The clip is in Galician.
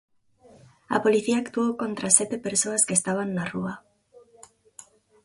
A policía actuou contra sete persoas que estaban na rúa.